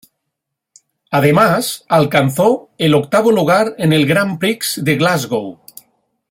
Además, alcanzó el octavo lugar en el Grand Prix de Glasgow.